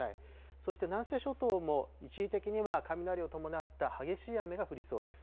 そして南西諸島も一時的には雷を伴った激しい雨が降りそうです。